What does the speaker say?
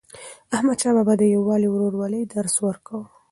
احمدشاه بابا د یووالي او ورورولۍ درس ورکاوه.